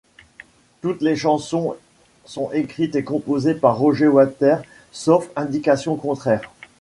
Toutes les chansons sont écrites et composées par Roger Waters, sauf indication contraire.